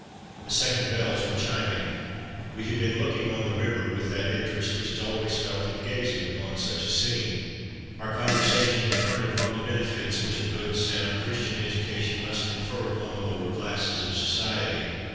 The second bells were chiming. We had been looking on the river with that interest which is always felt in gazing upon such a scene. Our conversation had turned upon the benefits which a good sound Christian education must confer upon the lower classes of society.